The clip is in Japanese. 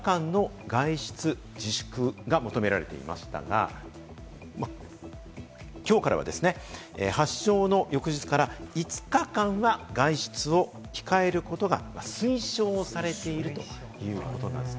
これまでは発症の翌日から７日間の外出自粛が求められていましたが、今日からは発症の翌日から５日間は外出を控えることが推奨されているということなんです。